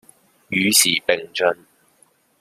與時俱進